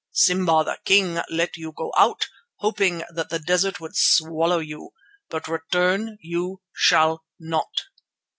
Simba the King let you go out, hoping that the desert would swallow you, but return you shall not."